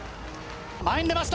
前に出ました！